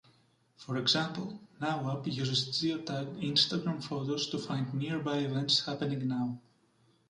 For example, Now app uses geotagged Instagram photos to find nearby events happening now.